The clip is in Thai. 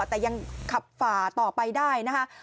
แต่ยังขับฝ่าต่อไปได้นะคะ